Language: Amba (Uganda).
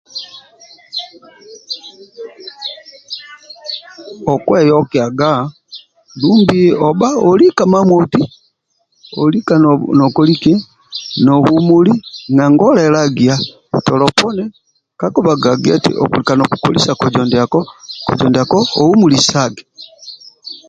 Okweyokiaga dumbi obha olika mamoti olika nokoliki nohumuli nanga olelagia tolo poni kali sa gia eti okulika nokukolisa kojo ndiako ohumulisage.